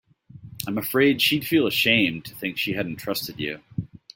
I'm afraid she'd feel ashamed to think she hadn't trusted you.